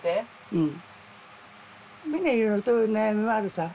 うん。